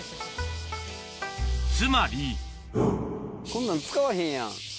つまりこんなん使わへんやん。